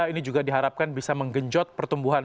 ini juga diharapkan bisa menggenjot pertumbuhan